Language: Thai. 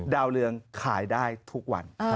ดาวเรืองขายได้ทุกวัน